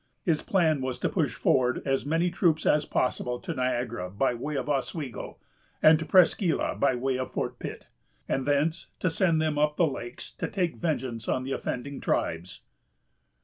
His plan was to push forward as many troops as possible to Niagara by way of Oswego, and to Presqu' Isle by way of Fort Pitt, and thence to send them up the lakes to take vengeance on the offending tribes.